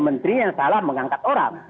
menteri yang salah mengangkat orang